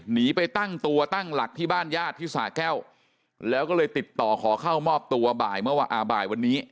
หนีไปตั้งตัวตั้งหลักที่บ้านญาติที่สะแก้วแล้วก็เลยติดต่อขอเข้ามอบตัวบ่ายเมื่ออ่าบ่ายวันนี้